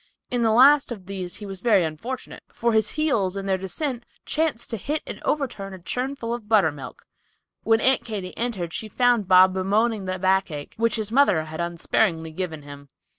In the last of these he was very unfortunate, for his heels, in their descent, chanced to hit and overturn a churn full of buttermilk! When Aunt Katy entered she found Bob bemoaning the backache, which his mother had unsparingly given him!